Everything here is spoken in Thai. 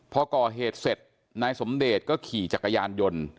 พอก่อเหตุเสร็จนายสมเดชก็ขี่จักรยานยนต์